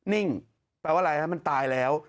นิ่งแปลว่าอะไรฮะมันตายแล้ว